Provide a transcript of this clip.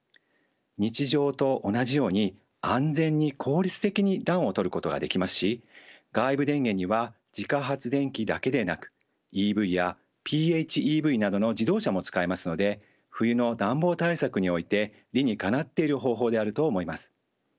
日常と同じように安全に効率的に暖を取ることができますし外部電源には自家発電機だけでなくＥＶやＰＨＥＶなどの自動車も使えますので冬の暖房対策において理にかなっている方法であると思います。